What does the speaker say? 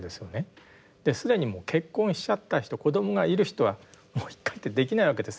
既にもう結婚しちゃった人子どもがいる人はもう一回ってできないわけです。